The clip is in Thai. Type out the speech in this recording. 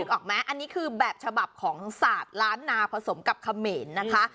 ออกไหมอันนี้คือแบบฉบับของศาสตร์ล้านนาผสมกับเขมรนะคะ